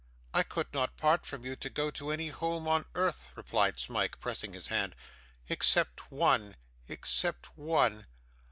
'I could not part from you to go to any home on earth,' replied Smike, pressing his hand; 'except one, except one.